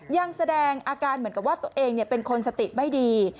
ยังแสดงอาการเหมือนกับว่าตัวเองเป็นคนสติไม่ดี